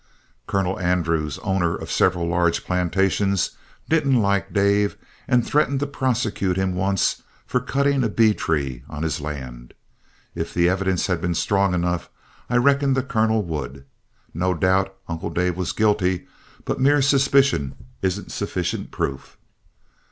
Colonel Andrews, owner of several large plantations, didn't like Dave, and threatened to prosecute him once for cutting a bee tree on his land. If the evidence had been strong enough, I reckon the Colonel would. No doubt Uncle Dave was guilty, but mere suspicion isn't sufficient proof.